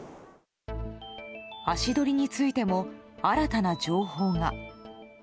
足取りについても新たな情報が。